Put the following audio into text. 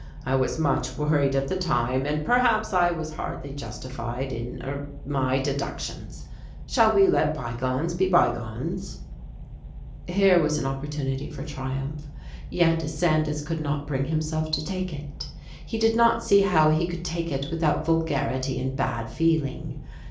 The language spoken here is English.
I was much worried at the time, and perhaps I was hardly justified in er in my deductions. Shall we let bygones be bygones ?" Here was an opportunity for triumph, yet Sandys could not bring himself to take k. He did not see how he could take it without vulgarity and bad feeling.